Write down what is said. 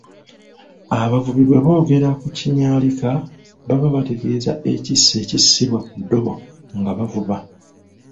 Abavubi bwe boogera ku kinyaalika baba bategeeza ekissi ekissibwa ku ddobo nga bavuba.